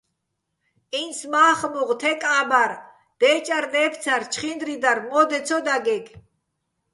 ინც მა́ხ-მუღ, თეკ-ა́ბარ, დე́ჭარ-დე́ფცარ, ჩხინდრი დარ მო́დე ცო დაგეგე̆.